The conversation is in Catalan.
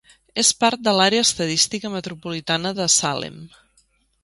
És part de l'Àrea Estadística Metropolitana de Salem.